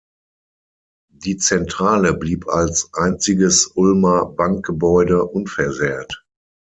Die Zentrale blieb als einziges Ulmer Bankgebäude unversehrt.